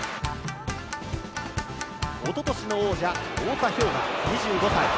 おととしの王者太田彪雅、２５歳。